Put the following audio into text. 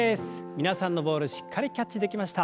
皆さんのボールしっかりキャッチできました。